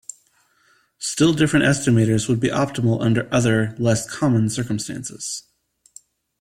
Still different estimators would be optimal under other, less common circumstances.